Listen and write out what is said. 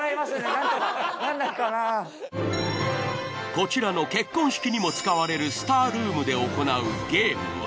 こちらの結婚式にも使われるスタールームで行うゲームは？